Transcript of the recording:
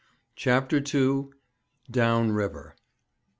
CHAPTER II. DOWN RIVER.